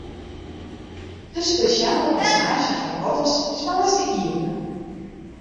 De spesjale passaazje foar otters is woansdei iepene.